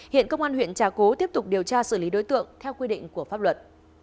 hiện công an huyện trà cú tiếp tục điều tra xử lý đối tượng theo quy định của pháp luật